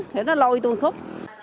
thì nó lôi tôi khúc